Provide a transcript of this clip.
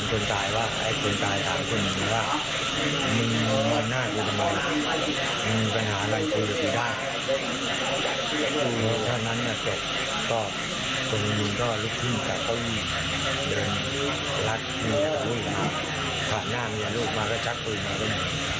คราวหน้ามีลูกมาก็จักรพื้นมาด้วย